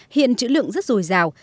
hiện chữ lượng rất dồi dào